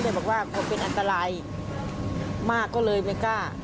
โล่ก็เลยบอกว่าเป็นอันตรายมากก็เลยไม่กล้า